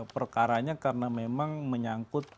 perkaranya karena memang menyangkut